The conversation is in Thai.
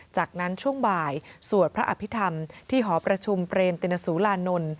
จากนั้นช่วงบ่ายสวดพระอภิษฐรรมที่หอประชุมเปรมตินสุรานนท์